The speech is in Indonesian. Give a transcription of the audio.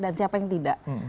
dan siapa yang tidak